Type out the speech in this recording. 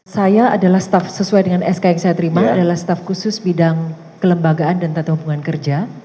saya adalah staff sesuai dengan sk yang saya terima adalah staf khusus bidang kelembagaan dan tata hubungan kerja